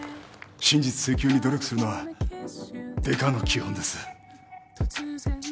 真実追及に努力するのはデカの基本です。